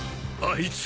あいつ。